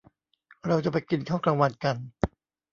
เราจะไปกินข้าวกลางวันกัน